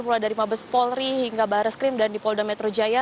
mulai dari mabes polri hingga baris krim dan di polda metro jaya